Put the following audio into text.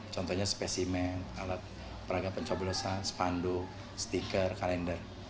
contohnya spesimen alat peragam pencobolosan spanduk stiker kalender